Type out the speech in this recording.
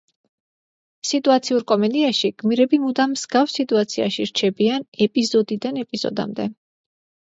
სიტუაციურ კომედიაში გმირები მუდამ მსგავს სიტუაციაში რჩებიან ეპიზოდიდან ეპიზოდამდე.